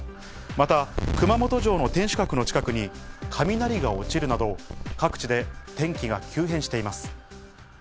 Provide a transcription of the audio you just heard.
また、熊本城の天守閣の近くに雷が落ちるなど、各地で天気が急変しています。